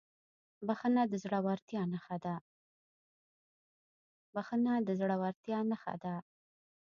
بښنه د زړهورتیا نښه ده.